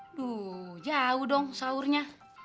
aduh jauh dong sahurnya